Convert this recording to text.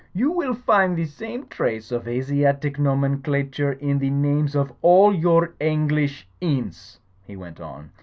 "You will find the same trace of Asiatic nomenclature in the names of all your English inns/' he went on.